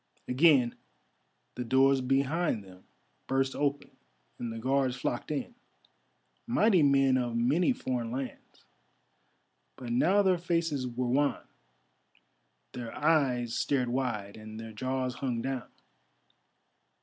Again the doors behind them burst open and the Guards flocked in—mighty men of many foreign lands; but now their faces were wan, their eyes stared wide, and their jaws hung down.